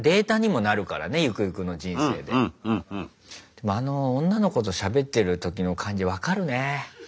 でもあの女の子としゃべってる時の感じ分かるね。